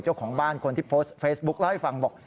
เจ้าของบ้านคนที่โพสต์เฟซบุ๊คเล่าให้ฟังบอก